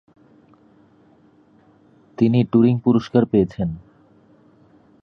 তিনি টুরিং পুরস্কার পেয়েছেন।